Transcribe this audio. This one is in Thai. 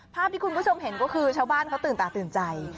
ภาพที่คุณผู้ชมเห็นก็คือชาวบ้านเขาตื่นตาตื่นใจ